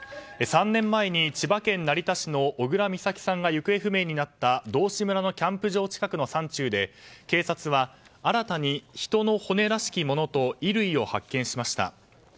３年前に千葉県成田市の小倉美咲さんが行方不明になった道志村のキャンプ場近くの山中で警察は新たに人の骨らしきものと衣類を発見しました。